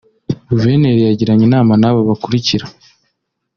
Guverineri yagiranye inama n’ aba bakurikira